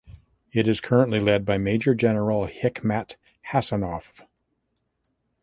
It is currently led by Major General Hikmat Hasanov.